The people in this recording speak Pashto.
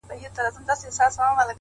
ستا یوه کمي د حسن چې سنګاره څخه نه وه